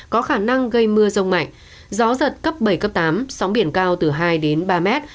có khả năng gây mưa rông mạnh gió giật cấp bảy tám sóng biển cao từ hai ba mét